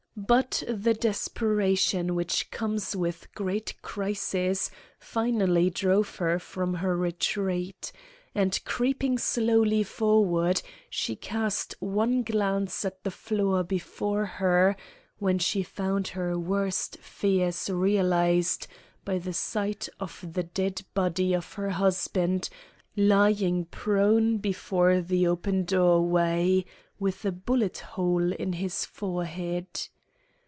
But the desperation which comes with great crises finally drove her from her retreat; and, creeping slowly forward, she cast one glance at the floor before her, when she found her worst fears realized by the sight of the dead body of her husband lying prone before the open doorway, with a bullet hole in his forehead.